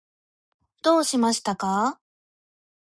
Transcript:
どうしましたか？